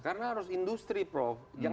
karena harus industri prof